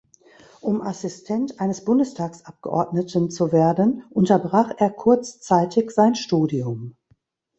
Um Assistent eines Bundestagsabgeordneten zu werden, unterbrach er kurzzeitig sein Studium.